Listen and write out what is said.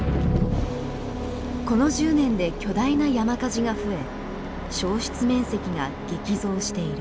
この１０年で巨大な山火事が増え焼失面積が激増している。